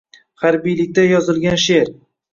Harbiylikda yozilgan she’r